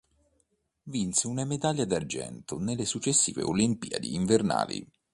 Vinse una medaglia d'argento nelle successive olimpiadi invernali.